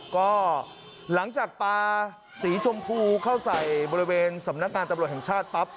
ก็หลังจากปลาสีชมพูเข้าใส่บริเวณสำนักงานตำรวจแห่งชาติปั๊บ